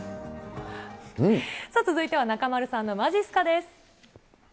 さあ、続いては中丸さんのまじっすかです。